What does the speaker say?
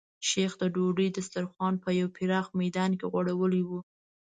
شیخ د ډوډۍ دسترخوان په یو پراخ میدان کې غوړولی و.